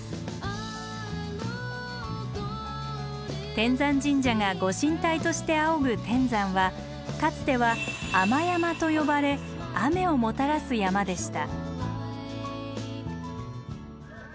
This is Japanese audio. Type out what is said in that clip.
天山神社が御神体として仰ぐ天山はかつては天山と呼ばれ雨をもたらす山でした。